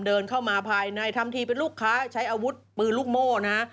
เดินเข้ามาภายในทำทีเป็นลูกค้าใช้อาวุธปืนลูกโม่นะฮะ